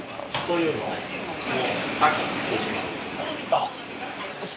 あっ。